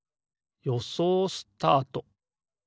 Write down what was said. よそうスタート。